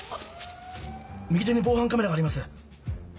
右手に防犯カメラがあります。